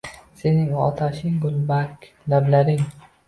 Sening u otashin, gulbarg lablaring